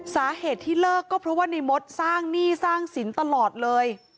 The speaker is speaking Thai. สาเหตุที่เลิกก็เพราะว่าในมดสร้างหนี้สร้างสินตลอดเลย